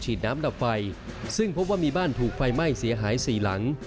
น้ำดับไฟซึ่งพบว่ามีบ้านถูกไฟไหม้เสียหายสี่หลัง